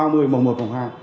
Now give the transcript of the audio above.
màu một màu hai